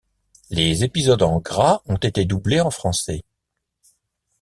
Les épisodes en gras ont été doublés en français.